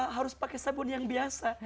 harus pakai sabun yang biasa